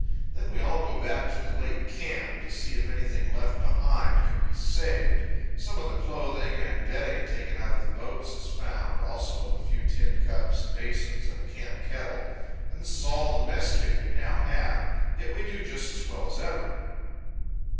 Then we all go back to the late camp to see if anything left behind can be saved. Some of the clothing and bedding taken out of the boats is found, also a few tin cups, basins, and a camp kettle; and this is all the mess kit we now have. Yet we do just as well as ever.